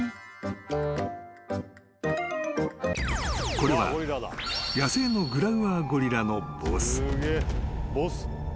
［これは野生のグラウアーゴリラのボス］